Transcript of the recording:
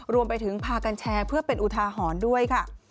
รวมไปถึงพากันแชร์เพื่อเป็นอุทาหรณ์ด้วยค่ะ